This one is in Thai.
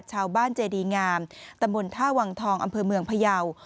ชาวบ้านเจดีงามตำบลท่าวังทองอำเภอเมืองพยาว